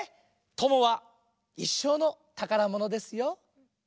友はいっしょうのたからものですよ。